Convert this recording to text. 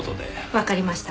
わかりました。